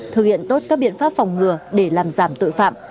thực hiện tốt các biện pháp phòng ngừa để làm giảm tội phạm